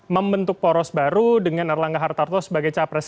membentuk poros baru dengan erlangga hartarto sebagai capres